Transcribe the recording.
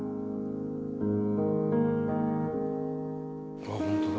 うわあホントだ。